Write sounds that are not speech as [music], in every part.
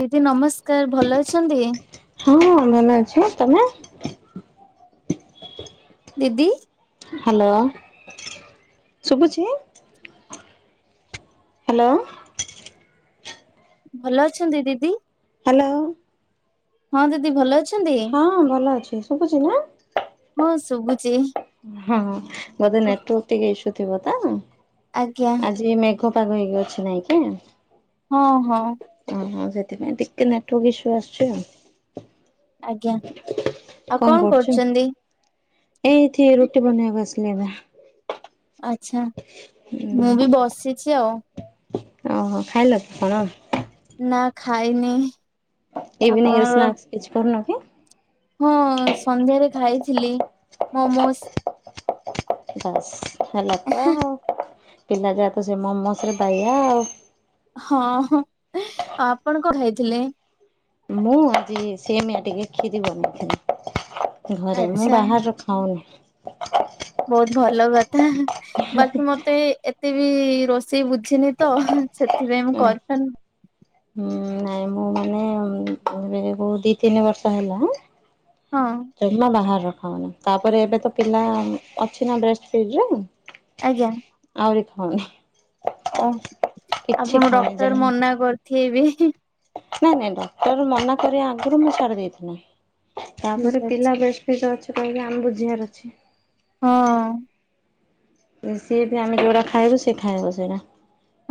ଦିଦି ନମସ୍କାର ଭଲ ଅଛନ୍ତି? ହଁ ହଁ ଭଲ ଅଛି ତମେ? ଦିଦି। ହାଲୋ ଶୁଭୁଚି। ହାଲୋ। ଭଲ ଅଛନ୍ତି ଦିଦି? ହାଲୋ। ହଁ ଦିଦି ଭଲ ଅଛ ହଁ ଭଲ ଅଛି ଶୁଭୁଛି ନା। ହଁ ଶୁଭୁଛି। ହଁ ବୋଧେ ନେଟୱାର୍କ ଟିକେ ଇସୁ ଥିବ ତା ଆଜ୍ଞା ଆଜି। ମେଘ ପାଗ ହେଇକି ଅଛି ନାଇଁ କି? ହଁ ହଁ। ଓ ସେଥିପାଇଁ ଟିକେ ନେଟୱାର୍କ ଇସୁ ଆସୁଛି ଆଉ। ଆଜ୍ଞା ଆଉ କଣ କରୁଛନ୍ତି? ଏଇଠି ରୁଟି ବନେଇବାକୁ ଆସିଲେ ଏବେ। ଆଛା ହୁଁ ମୁଁ ବି ବସିଛି ଆଉ। ଓହୋ ଖାଇଲ କି କଣ? ନା ଖାଇନି। ଇଭିନିଂ ଆପଣଙ୍କର ସ୍ନାକ୍ସ କିଛି କରୁନ କି? ହଁ ସନ୍ଧ୍ୟାରେ ଖାଇଥିଲି ମମୋଜ। ବାସ୍ ହେଲା ତ ଆଉ ପିଲା ଯାହା ତ ସେ ମୋମୋଜ ରେ ବାଇଆ ଆଉ। ହଁ ଆପଣ କଣ ଖାଇଥିଲେ? ମୁଁ ଆଜି ସେମିଆ ଟିକେ କ୍ଷୀରି ବନେଇଥିଲି ଘରେ ମୁଁ ଆଚ୍ଛା ବାହାର ହଉ। ବହୁତ ଭଲ କଥା। ବାକି ମତେ ଏତେ ବି ରୋଷେଇ ବୁଝିନି ତ ସେଥିପାଇଁ ମୁଁ କରିପାରନି। ହୁଁ ନାଇଁ ମୁଁ ମାନେ [unintelligible] ବୋହୁ ଦି ତିନି ବର୍ଷ ହେଲା ଆଁ? ହଁ। ଜମା ବାହାର ରଖାଉନି ତାପରେ ଏବେ ତ ପିଲା ଅଛି ନା ବ୍ରଷ୍ଟ ଫଡରେ? ଆଜ୍ଞା। ଆହୁରି ଖାଉ ଓ ଆପଣ ଖାଉନି ଡକ୍ଟର ଯାହା ମନା କରିଥିବେ ବି। ନାଇଁ ନାଇଁ ଡକ୍ଟର ମନା କରିବା ଆଗରୁ ମୁଁ ଛାଡି ଦେଇେଥିନି ତାପରେ ଠିକ ଅଛି। ପିଲା ବ୍ରେସ ଫିଡ଼ ରେ ଅଛି କହିକି ଆମ ବୁଝିବାର ଅଛି। ହଁ। ସିଏ ବି ଆମେ ଯେଉଁଟା ଖାଇବୁ ସି ଖାଇବ ସେଇଟା।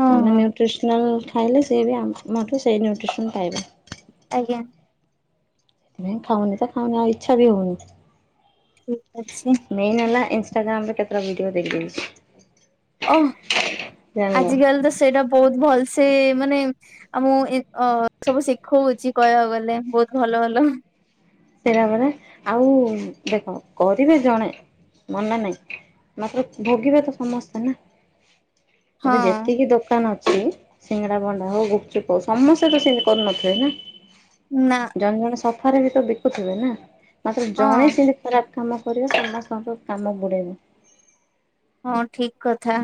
ହଁ ଆମେ ହଁ ନ୍ୟୁଟ୍ରିସନାଲ ଖାଇଲେ ସିଏ ବି ଆମଠୁ ସେଇ ନ୍ୟୁଟ୍ରିସନ୍ ପାଇବ। ଆଜ୍ଞା। ନାଇଁ ଖାଉନି ତ ଖାଉନି ଆଉ ଇଛା ବି ହଉନି। ଠିକ ଅଛି। ମେନ୍ ହେଲା ଇନଷ୍ଟାଗ୍ରାମରେ କେତେଟା ଭିଡ଼ିଓ ଦେଖିଦେଇଚି। ଓହଃ ଜାଣିଲ ଆଜିକାଲି ତ ସେଇଟା ବହୁତ ଭଲସେ ମାନେ ଆମ କୁ ଇ ଅ ସବୁ ଶିଖଉଚି କହିବାକୁ ଗଲେ ବହୁତ ଭଲ ଭଲ। ସେଇଟା ପରା। ଆଉ ଦେଖ କରିବେ ଜଣେ ମନା ନାଇଁ ମାତ୍ର ଭୋଗିବେ ତ ସମସ୍ତେ ନା। ଏବେ ହଁ ଯେତିକି ଦୋକାନ ଅ ସିଙ୍ଗଡା ଭଣ୍ଡା ହଉ ଗୁପଚୁପ ହଉ ସମସ୍ତେ ତ ସେମିତି କରୁନଥିବେ ନା। ନା। ଜଣେ ଜଣେ ସଫାରେ ବି ତ ବିକୁଥିବେ ନା ମାତ୍ର ହଁ ଜଣେ ସେମିତି ଖରାପ କାମ କରିବ ସମସ୍ତଙ୍କ କାମ ବୁଡେଇବ। ହଁ ଠିକ କଥା।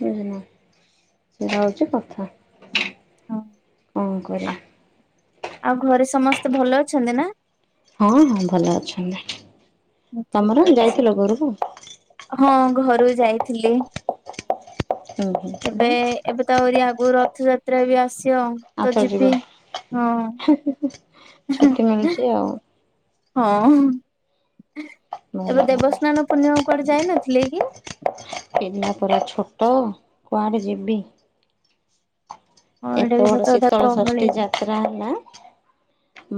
ବୁଝନା ସେଇଟା ହଉଚି କଥା ହଁ। କଣ କରିବା। ଆଉ ଘରେ ସମସ୍ତେ ଭଲ ଅଛନ୍ତି ନା? ହଁ ହଁ ଭଲ ଅଛନ୍ତି। ଠିକ ତମର ଅଛି ଯାଇଥିଲ ଘୋରୁକୁ? ହଁ ଘରୁ ଯାଇଥିଲି। ହୁଁ ହୁଁ ଏବେ ହୁଁ ଏବେ ତ ଆହୁରି ଆଗରୁ ରଥଯାତ୍ରା ବି ଆସିବ ତ ଆଉଥରେ ଯିବ ଯିବି। ହଁ। ଛୁଟି ମିଳୁଚି ଆଉ। ହଁ। ଭଲ ଏବେ ଭଲ ଦେବସ୍ନାନ ପୂର୍ଣ୍ଣିମା କୁଆଡେ ଯାଇନଥିଲେ କି? ପିଲା ପରା ଛୋଟ କୁଆଡେ ଯିବି। ହଁ ଏଇଟା ଏତେ ବି ବଡ ସତ କଥା ଗହଳି। ଶୀତଳଷଷ୍ଠୀ ଯାତ୍ରା ହେଲା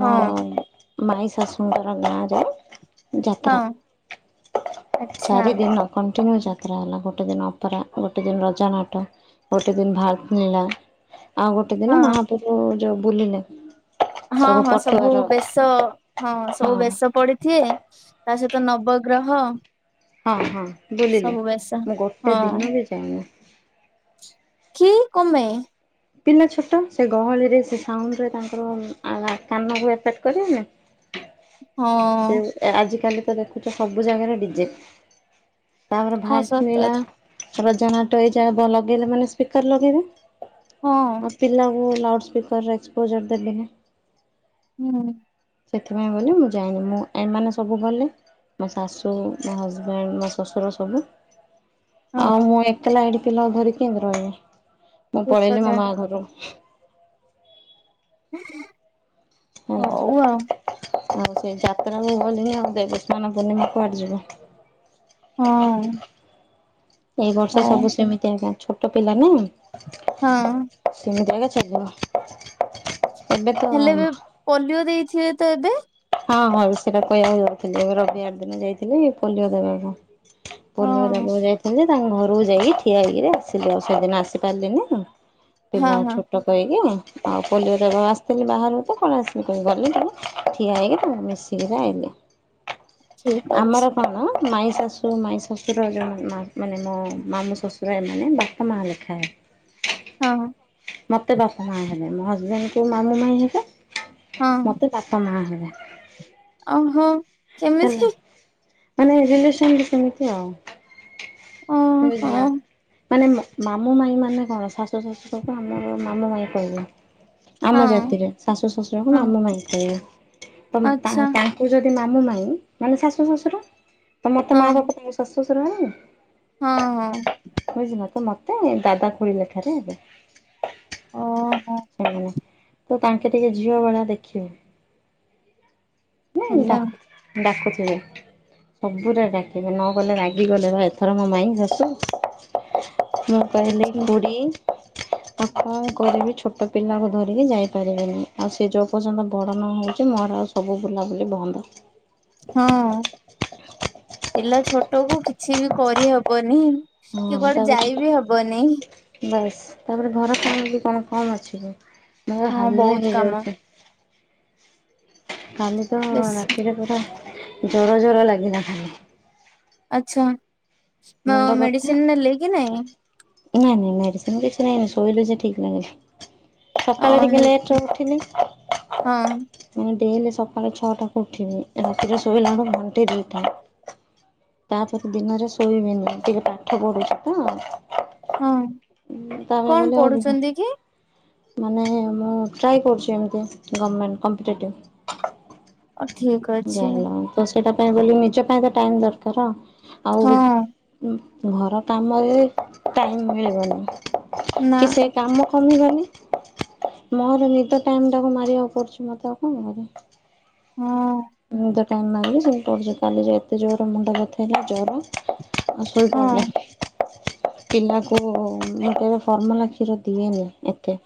ମୋ ହଁ ମଈ ଶାଶୁଙ୍କର ଗାଁରେ ହଁ ଯାତ୍ରା ଆଚ୍ଛା ଚାରି ଦିନର କଣ୍ଟିନ୍ୟୁ ଯା ଯାତ୍ରା ହେଲା ଗୋଟେ ଦିନ ଅପେରା, ଗୋଟେ ଦିନ ରଜ ନାଟ, ଗୋଟେ ଦିନ ଭାରତ ନୀଳା ଆଉ ଗୋଟେ ହଁ ଦିନ ମହାପ୍ରଭୁ ଯୋଉ ବୁଲିଲେ। ହଁ ହଁ ସବୁ ବେଶ ହଁ ସବୁ ବେଶ ପଡିଥିବେ ତା ସହିତ ନବଗ୍ରହ। ହଁ ହଁ ବୁଲିଲେ ସବୁ ବେଶ ମୁଁ ଗୋଟେ ହଁ ଦିନ ବି ଯାଇନି। କି କପାଇଁ? ପିଲା ଛୋଟ ସେ ଗହଳିରେ ସେ ସାଉଣ୍ଡରେ ତାଙ୍କର ଆ ଆ କାନକୁ ଇପେଟ କରିବନି? ହଁ। ସେ ଆଜିକାଲି ତ ଦେଖୁଚ ସବୁ ଜାଗାରେ ଡିଜେ ତାପରେ ହଁ ସତ ଭାରତ ନିଳା କଥା ତା ଜଣା ଟ ଏ ଯାବ ଲଗେଇଲେ ମାନେ ସ୍ପିକର ଲଗେଇବେ। ହଁ ଆଉ ପିଲକୁୁ ଲାଉଡ ସ୍ପୀକର ଏକ୍ସପୋଜର ଦ ଦିନେ। ହୁଁ। ସେଥିପାଇଁ ବୋଲି ମୁଁ ଯାଇନି ମୁଁ ଏମାନେ ସବୁ ଗଲେ। ମୋ ଶାଶୁ ମୋ ହଜବେଣ୍ଡ ମୋ ଶ୍ୱଶୁର ସବୁ। ହଁ ଆଉ ମୁଁ ଏକଲା ଏଠି ପିଲା ଧରିକି କେମିତି ରହିବି ମୁଁ ଠିକ ପଳେଇଲି ମୋ କଥା ମା ଘରୁ। [unintelligible] ହଁ। ଆଉ ସେଇ ଯାତ୍ରାକୁୁ ଗଲିନି ଆଉ ଦେବସ୍ମାନ ପୂର୍ଣିମା କୁଆଡେ ଯିବ। ହଁ। ଏଇ ବର୍ଷ ହଉ ସବୁ ସେମିତି ଆଜ୍ଞା ଛୋଟ ପିଲା ନା। ହଁ। ସେମିତି ଏଗା ଛାଡ଼ିଯିବ। ହେଲେ ଏ ପୋଲିଓ ଦେଇଥିବେ ତ ଏବେ। ହଁ ହଁ ସେଇଟା କହିବାକୁ ଯାଉଥିଲି ଏ ରବିବାର ଦିନ ଯାଇଥିଲି ପୋଲିଓ ଦେବାକୁ। ପୋଲିିବା ହଁ। ଦବାକୁ ଯାଇଥିଲେ। ତାଙ୍ଗ ଘରକୁ ଯାଇକି ଠିଆ ହେଇକିରି ଆସିଲି ଆଉ ସେଇଦିନ ଆସି ପାରିଲିନି ଆଉ ହଁ ପିଲା ହଁ ଛୋଟ କହିକି ଆଉ ପୋଲିଓ ଦବାକୁ ଆସିଥିଲି ବାହାରୁ ତ କଣ ଆସିଲି କହିକି ଗଲି ଠିଆ ହେଇକି ତାକୁ ମିଶିକିରି ଆଇଲେ ଠିକ ଆମର ଅଛି କଣ ମାଇଁ ଶାଶୁ ସ ମାଇଁ ଶ୍ୱଶୁର ଯୋଉ ମାନେ ମୋ ମାମୁଁ ଶ୍ୱଶୁର ଏମାନେ ବାପା ମାଆ ଲେଖାଏ। ହଁ। ମତେ ବାପ ମା ହେବେ ମୋ ହଜବେଣ୍ଡ କୁ ମାମୁଁ ମାଇ ହେବେ ହଁ। ମତେ ବାପ ମା ହେବେ। ଆଉ ହଁ ହେଲା ମାନେ ରିଲେସନ ସେମିତି ଆଉ। ଓହୋ ବୁଝିଲ। ମାନେ ମାମୁଁ ମାଇଁ ମାନେ କଣ ଶାଶୁ ଶଶୁରକୁ ଆମର ମାମୁଁ ମାଇଁ କହିବା। ହଁ ଆମ ଜାତିରେ ଶାଶୁ ଶ୍ୱଶୁରକୁ ହଁ ମାମୁ ମାଇଁ କହିବା ତ ଆଚ୍ଛା ତାଙ୍କୁ ଯଦି ମାମୁଁ ମାଇ ମାନେ ଶାଶୁ ଶ୍ୱଶୁର, ତ ମତେ ହଁ ମା ବାପା ତମ ଶାଶୁ ଶ୍ୱଶୁର ହେଲାନି। ହଁ ହଁ। ବୁଝିଲ ତ ମତେ ଦାଦା ଖୋଳି ଲେଖାରେ ହେବେ। ଓହୋ ହଁ। ତ ତାଙ୍କେ ଟିକେ ଝିଅ ଭଳିଆ ଦେଖିବୁ ନାଇ ହେଲା ଡା ଡାକୁଥିବେ ସବୁରେ ଡାକିବେ ନ ଗଲେ ରାଗିଗଲେ ବା ଏଥର ମୋ ମାଇଁ ସାସୁ ମୁଁ କହିଲି ଖୁଡ଼ି ହ [inaudible] ଆପ କରିବି ଛୋଟ ପିଲାକୁ ଧରିକି ଯାଇପାରିବିନି ଆଉ ସେ ଯୋଉ ପର୍ଯ୍ୟନ୍ତ ବଡ ନ ହଉଛି ମହାରାଜ ସବୁ ବୁଲାବୁଲି ବନ୍ଦ। ହଁ ପିଲା ଛୋଟ କୁ କିଛି ବି କରିହବନି। କି ହଁ କୁଆଡେ ତାପରେ ଯାଇ ବିି ହବନି ବାସ୍ ତାପରେ ଘର କାମ ବି କଣ କମ୍ ଅଛି ମୁଁ ପୁରା ହଁ ହାଲିଆ ବହୁତ କାମ ହେଇଯାଉଛି। କାଲି ତ ବେଶ ରାତିରେ ପୁରା ଜର ଜର ଲାଗିଲା ଖାଲି। ଆଚ୍ଛା ମୁଣ୍ଡ ବଥା ମେଡିସିନ ନେଲେ କି ନାଇଁ। ନାଇଁ ନାଇଁ ମେଡିସିନ କିଛି ନାଇଁ ଶୋଇଲି ସେ ଠିକ୍ ଲାଗିଲା। ଅ ସକାଳେ ଟିକେ ହେଲ ଲେଟ୍ ରେ ଉଠିଲି। ହଁ ମୁଁ ଯେମିତି ହେଲେ ସକାଳ ଛଅଟା କ ଉଠିବି ରାତିରେ ଶୋଇଲା ବେଳେ ଘଣ୍ଟି ଦେଇଥାଏ। ତାପରେ ଦିନରେ ଶୋଇବିନି ଟିକେ ପାଠ ପଢୁଛି ତ। ହୁଁ ତାପରେ କଣ ବୋଲି ଆଉ ପଢୁଛନ୍ତି କି? ମାନେ ମୁଁ ଟ୍ରାଏ କରୁଛି ଏମିତି ଗମେଣ୍ଟ କମ୍ପିଟେଟିଭ୍। ଆ ଠିକ ଅ [unintelligible] ତ ସେଇଟା ପାଇଁ ବୋଲି ମୁଁ ନିଜ ପାଇଁ ତ ଟାଇମ ଦରକାର ଆଉ ହଁ ଉ ଘର କାମରେ ଟାଇମମ୍ ମିଳିବନି ନା କି ସେ କାମ କମିବନି ମୋର ନିଦ ଟାଇମ ଟାକୁ ମାରିବାକୁ ପଡୁଚି ମୋତେ ଆଉ କଣ [unintelligible] ହଁ। ମୁଁ ତ ଟାଇମ୍ ନାଗିବ ସେଇଟା [unintelligible] କାଲେ ଯେ ଏତେ ଜୋରେ ମୁଣ୍ଡ ବଥା ହେଲା ଜର ଆଉ ହଁ ଶୋଇପଡ଼ିଲେ। ପିଲାକୁ ମୁଁ କେବେ ଫର୍ମୁଲା କ୍ଷୀର ଦିଏନି ଏତେ।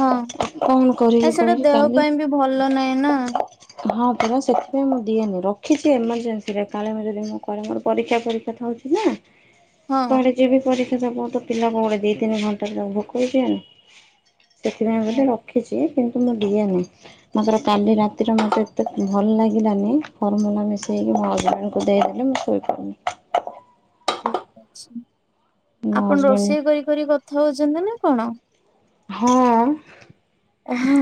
ହଁ କଣ ନାଇଁ କରିବି ସେଟା କହିବି ଦେହ କାଲି ପାଇଁ ବି ଭଲ ନା ଏଇନା ହଁ ପରା ସେଥିପାଇଁ ମୁଁ ଦିଏନି ରଖିଚି ଏମର୍ଜେନ୍ସିରେ କାଳେ [unintelligible] କାଳେ ମୋର ପରୀକ୍ଷା ଫରୀକ୍ଷା କଥା ହଉଚି ନା ହଁ କୁଆଡ଼େ ଯିବି ପରୀକ୍ଷା ଦେବ ତ ପିଲାକୁ ମୋର ଦି ତିନି ଘଣ୍ଟାରେ ତାକୁ ଭୋକ ହେଇଯିବନି। ସେଥିପାଇଁ ହଁ ଗୋଟେ ରଖିଚି କିନ୍ତୁ ମୁଁ ଦିଏନି ମାତ୍ର କାଲି ରାତିରେ ମତେ ମତେ ଭଲ ଲାଗିଲାନି ଫର୍ମୁଲା ମିଶେଇକି ମୋ ହଜବେଣ୍ଡକୁ ଦେଇଦେଲି ମୁଁ ଶୋଇପଡିନି। ମୋ ଆପଣ ହଜବେଣ୍ଡ ରୋଷେଇ କରି କରି କଥା ହଉଚନ୍ତି ନା କଣ? ହଁ ଓ ହୋ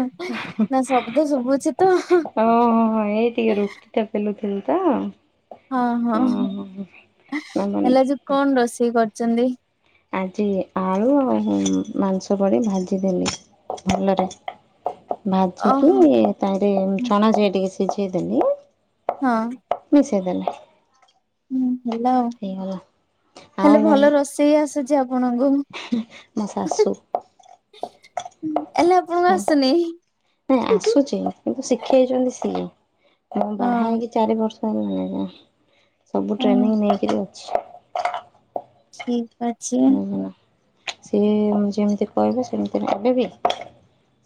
ନା ଶବ୍ଦ ଶୁଭୁଛି ତ ଓହୋ ହଁ ହଁ ଏଇ ଟିକେ ରୁଟି ଟା ବେଲୁଥିଲି ତ। ହଁ ହଁ ହେ ଓହୋ ହେଲେ ଆଜି କଣ ରୋଷେଇ କରଚନ୍ତି? ଆଜି ଆଳୁ ଆଉ ମାଂସ ବଡ଼ି ଭାଜିଦେଲିି ଭଲରେ। ଭାଜିକି ଓହୋ ତାରେ ଚଣା ସେଇଟିକି ସିଝେଇ ଦେଲି। ହଁ ମିଶେଇଦେଲି। ହୁଁ ଭଲ ହେଲେ ଭଲ ରୋଷେଇ ଆସୁଚି ଆପଣଙ୍କୁ। ହୁଁ ମୋ ଶାଶୁ ହୁଁ ହେଲେ ଆପଣଙ୍କୁ ଆସୁନେହିଁ ନାଇଁ ହୁଁ ହୁଁ। ଆସୁଛି କିନ୍ତୁ ଶିଖେଇଚନ୍ତି ସିଏ ମୋ ହଁ ବାହା ହେଇକି ଚାରି ବର୍ଷ ହେଲାଣି ସବୁ ହଁ ଟ୍ରେନିଂ ନେଇକିରି ଅଛି। ଠିକ ଅଛି। ବୁଝିଲ। ସିଏ ଯେମିତି କଇବେ ସେମିତି ଏବେବି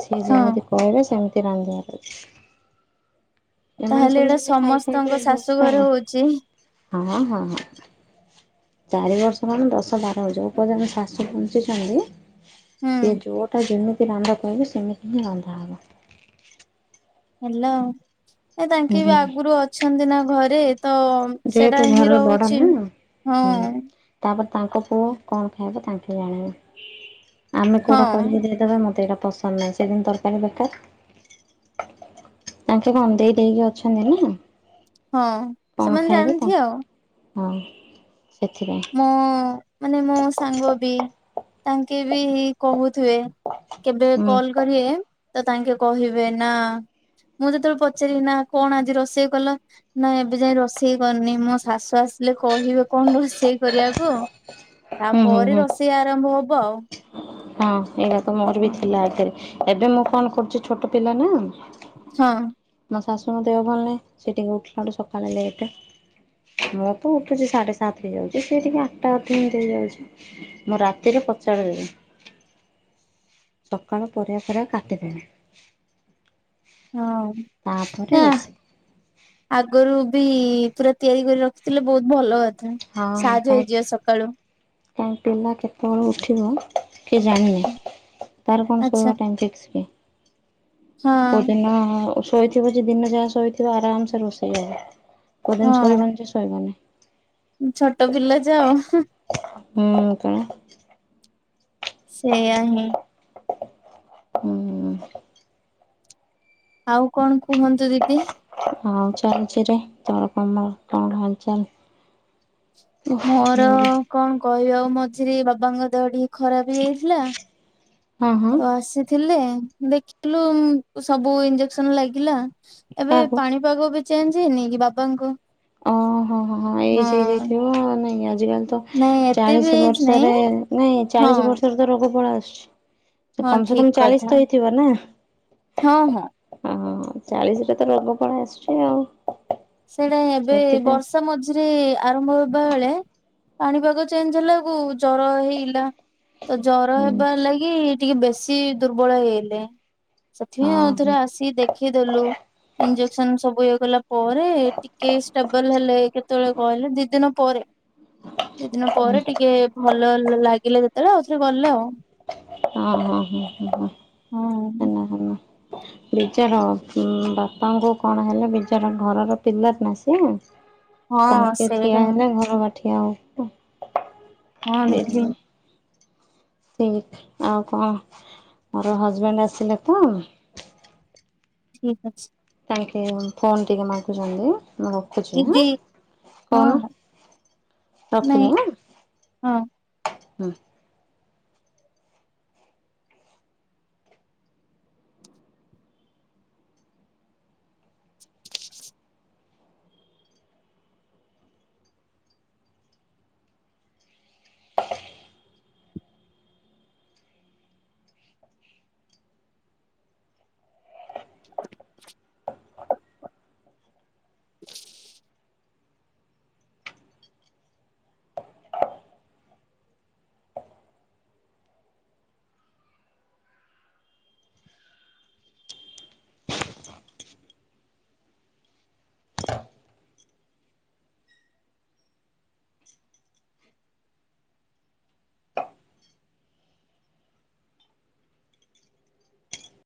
ସିଏ ହଁ ଯେମିତି କଇବେ ସେମିତି ରାନ୍ଧିବାର ଅଛି। ଏମାନେ ତାହେଲେ ସବୁ ଏଇଟା ସେମିତି ଖାଇ ସମସ୍ତଙ୍କ ଖୁଆଇକି ଶାଶୁ ଘରେ ହଉଛି ଅଭ୍ୟାସ ହଁ ହଁ। ଚାରି ବର୍ଷ ମାନେ ଦଶ ବାର ଯଉ ପର୍ଯ୍ୟନ୍ତ ଶାଶୁ ବଞ୍ଚିଚନ୍ତି ହୁଁ ସେ ଯଉଟା ଯେମିତି ରାନ୍ଧ କଇବୁ ସେମିତି ହିଁ ରନ୍ଧା ହବ। ହାଲୋ ଏ ତାଙ୍କେ ବି ହୁଁ। ଆଗୁରୁ ଅଛନ୍ତି ନା ଘରେ। ତ ଯେହେତୁ ସେଇଟା ହିଁ ଘରର ବଡ ରହୁଚି ନା ହଁ। ହୁଁ। ତାପରେ ତାଙ୍କ ପୁଅ କଣ ଖାଇବେ ତାଙ୍କେ ଜାଣିବେ ଆମେ କୋଉଟା ହଁ କରିପାରିବା କଇବେ ମତେ ଏଇରା ପସନ୍ଦ [unintelligible] ତରକାରୀ ଦରକାର ତାଙ୍କେ କନ୍ଦେଇ ଦେଇକି ଅଛନ୍ତି ନା। ହଁ। କଣ ସେମାନେ ଖାଇବେ ତା ଜାଣିଥିବେ ଆଉ ହଁ ସେଥିପାଇଁ ମୁଁ ମାନେ ମୋ ସାଙ୍ଗ ବି ତାଙ୍କେ ବି କହୁଥୁବେ କେବେ ହୁଁ କଲ କରିବେ ତ ତାଙ୍କେ କହିବେ ନା ମୁଁ ଯେତବେଳେ ପଚାରିବି ନା କଣ ଆଜି ରୋଷେଇ କଲ? ନା ଏବେ ଯାଇ ରୋଷେଇ କରିନି ମୋ ଶାଶୁ ଆସି ଲେ କହିବେ କଣ ରୋଷେଇ କରିବାକୁ ହୁଁ ହୁଁ ତାପରେ ହୁଁ। ରୋଷେଇ ଆରମ୍ଭ ହବ ଆଉ। ହଁ ଏଇଟା ତ ମୋର ବି ହଁ ଥିଲା ଏଥିରେ ଏବେ ମୁଁ କଣ କରୁଚି ଛୋଟ ପିଲା ନା ହଁ। ମୋ ଶାଶୁଙ୍କ ଦେହ ଭଲ ନାହିଁ ସେ ଟିକେ ଉଠିଲାଳୁ ସକାଳେ ଲେଟ। ମୁଁ ତ ଉଠୁଚି ସାଢେ ସାତ୍ ହେଇଯାଉଚି ସିଏ ଟିକେ ଆଟଟା [unintelligible] ହେଇ ଯାଉଚି। ମୁଁ ରାତିରେ ପଚାରିଦେବି। ସକାଳ ପରିବା ଫରିବା କାଟିଦେମି। ହଁ ତାପରେ ଏ ଆ ରୋଷେଇ ଆଗରୁ ବି ପୁରା ତିଆରି କରି ରଖିଥିଲେ ବହୁତ ଭଲ କଥା। ସାହାଯ୍ଯ ହେଇଯିବ ସକାଳୁ। କାଇଁ ପିଲା କେତେବେଳେ ଉଠିବ କି ଜାଣିନି। ତାର କଣ ଆଚ୍ଛା ଶୋଇବା ଟାଇମ୍ ଫିକ୍ସ କି? ହଁ କୋଉଦିନ ଶୋଇଥିବ ଯେ ଦିନ ଯାହା ଶୋଇଥିବ ଆରାମସେ ରୋଷେଇ ହବ। କୋଉଦିନ ଶୋଇବନି ଯେ ଶୋଇବନି। ଉଁ, ଛୋଟ ପିଲା ଯାଅ ହୁଁ,। ମୁଁ ଉଠିନେ ସେଇଆ ହିଁ। ହୁଁ। ଆଉ କଣ କୁହନ୍ତୁ ଦିଦି? ହଁ ଚାଲିଛି ରେ। ତୁମର କମ କଣ ହାଲଚାଲ? ମୋର ଓଃ କଣ କହିବି ଆଉ ମଝିରେ ବାବାଙ୍କ ଦେହ ଟିକେ ଖରାପ ହେଇଯାଇଥିଲା। ହଁ, ହଁ। ଥିଲେ, ଦେଖିଲୁ ସବୁ ଇଞ୍ଜେକ୍ସନ୍ ଲାଗିଲା, ଏବେ କାହାକୁ? ପାଣି ପାଗ ବି ଚେଞ୍ଜ ହେଇନି କି, ବାପା ଙ୍କ ହଁ, ହଁ, ହଁ, ହଁ ଏଜ୍ ହେଇଯାଇଥିବ ନାଇଁ, ଆଜିକାଲି ତ ନାଇଁ ଏତେ ବି ଚାଳିଶ ଏଜ୍ ନାଇଁ ବର୍ଷରେ, ନାଇଁ ଏ ହଁ ଚାଳିଶ ବର୍ଷରେ ତ ରୋଗ ପଳି ଆସୁଛି। ତ ହଁ କମ ସେ ଠିକ କମ ଚାଳିଶ କଥା ତ ହେଇଥିବ ନା? ହଁ ହଁ। ହଁ ଚାଳିଶରେ ତ ରୋଗ ପଳେଇ ଆସୁଛି ଆଉ। ସେଇଟା ଏବେ ସେଥିପାଇଁ ବର୍ଷା ମଝି ଝିରେ ଆରମ୍ଭ ହେବା ବେଳେ ପାଣିପାଗ ଚେଞ୍ଜ ହେଲାକୁ ଜର ହେଇଇଲା। ତ ଜର ହୁଁ ହେବ ଲାଗି ଟିକେ ବେଶି ଦୁର୍ବଳ ହେଇଲେ। ସେଥିପାଇଁ ହଁ ହଁ ଆଉଥରେ ଆସିିକି ଦେଖିଇଦେଲୁ। ଇଞ୍ଜେକ୍ସନ୍ ସବୁ ଇଏ କଲା ପର ରେ ଟିକେ ଷ୍ଟେବଲ୍ ହେଲେ କେତେବେଳେ କହିଲେ, ଦି ଦିନ ପରେ। ଦି ଦିନ ହଁ ପରେ ଟିକେ ଭଲ ଲାଗିଲା ଯେତେବେଳେ ଆଉଥରେ ଗଲେ ଆଉ। ହଁ, ହଁ, ହଁ, ହଁ, ହଁ ହୁଁ ହେନା ହେନା। ବିଜାହ ଉଁ, ବାପାଙ୍କୁ କଣ ହେଲେ ବିଜାର ଘରର ପିଲା ନା ସେ। ହଁ ତାଙ୍କେ ସେଇଟା ଠିଆ ହେଲେ ଘର ବା ଠିଆ ହବ। ହଁ ଦିଦି। [unintelligible] ଆଉ କଣ? ମୋର ହଜବେଣ୍ଡ ଆସିଲେ ତ ଠିକ୍ ଅଛି। ତାଙ୍କେ ଫୋନ୍ ଟିକେ ମାଗୁଚନ୍ତି। [inaudible] ଖୁଛି ହାଁ, ଦିଦି ହଁ କନ ନାଇଁ ରଖିଲି ଆଁ। ହଁ। ହୁଁ।